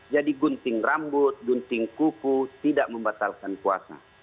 jadi gunting rambut gunting kuku tidak membatalkan puasa